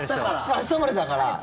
明日までだから。